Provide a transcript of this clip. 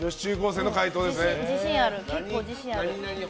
結構自信ある。